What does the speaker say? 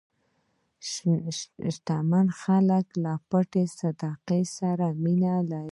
شتمن خلک له پټې صدقې سره مینه لري.